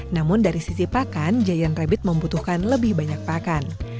namun dari sisi pakan giant rabbit membutuhkan lebih banyak pakan